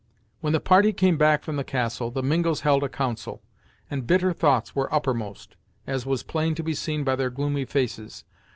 When the party came back from the castle, the Mingos held a council, and bitter thoughts were uppermost, as was plain to be seen by their gloomy faces.